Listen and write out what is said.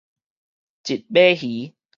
一尾魚